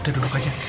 udah duduk aja